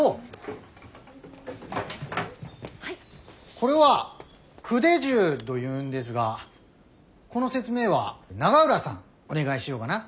これは組手什どいうんですがこの説明は永浦さんお願いしようかな。